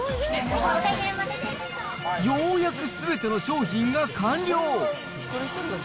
ようやくすべての商品が完了。